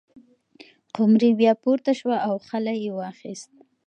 قمري بیا پورته شوه او خلی یې واخیست.